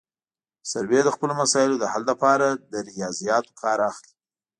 سروې د خپلو مسایلو د حل لپاره له ریاضیاتو کار اخلي